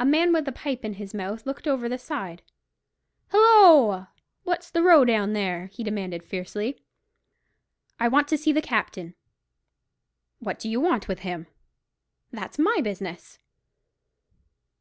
A man with a pipe in his mouth looked over the side. "Hilloa! what's the row there?" he demanded fiercely. "I want to see the captain." "What do you want with him?" "That's my business."